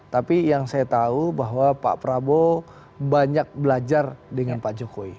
tapi yang saya tahu bahwa pak prabowo banyak belajar dengan pak jokowi